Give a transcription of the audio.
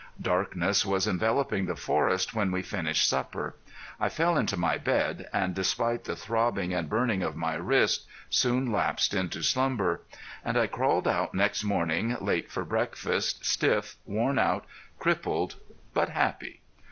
Darkness was enveloping the forest when we finished supper. I fell into my bed and, despite the throbbing and burning of my wrist, soon lapsed into slumber. And I crawled out next morning late for breakfast, stiff, worn out, crippled, but happy.